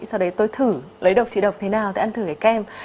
sau đấy tôi thử lấy độc trị độc thế nào tôi ăn thử cái kem